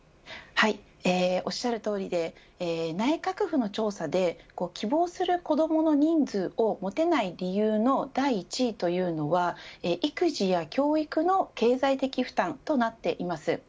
おっしゃる通りで内閣府の調査で希望する子どもの人数をもてない理由の第１位というのは育児や教育の経済的負担となっています。